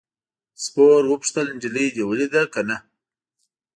سپور وپوښتل نجلۍ دې ولیده که نه.